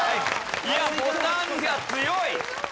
いやボタンが強い！